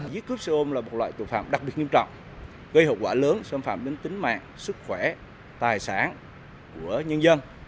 giết cướp xe ôm là một loại tội phạm đặc biệt nghiêm trọng gây hậu quả lớn xâm phạm đến tính mạng sức khỏe tài sản của nhân dân